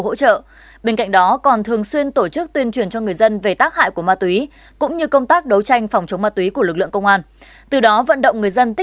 hỡi em xinh tươi lan giá tuyệt vời